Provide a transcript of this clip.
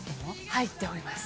「入っております」